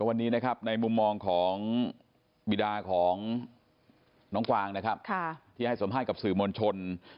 วันนี้ในมุมมองของวีดาของน้องกวางที่ให้สมภาษณ์กับสื่อมวลชน